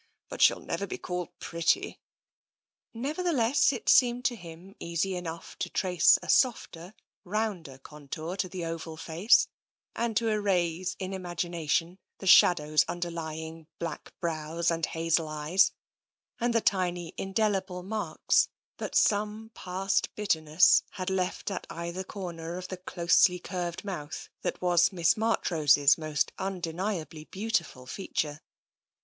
But she'll never be called pretty." 45 46 TENSION Nevertheless, it seemed to him easy enough to trace a softer, rounder contour to the oval face, and to erase in imagination the shadows underlying black brows and hazel eyes, and the tiny, indelible marks that some past bitterness had left at either comer of the closely curved mouth that was Miss Marchrose's most unde niably beautiful feature.